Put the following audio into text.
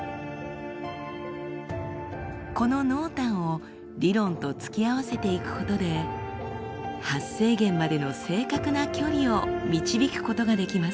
この濃淡を理論と突き合わせていくことで発生源までの正確な距離を導くことができます。